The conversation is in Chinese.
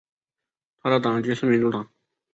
他的党籍是民主党。